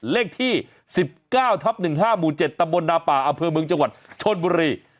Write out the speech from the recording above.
เลขที่๑๙ทับ๑๕หมู่๗ตำบลนาป่าอำเภอเมืองจังหวัดชนบุรี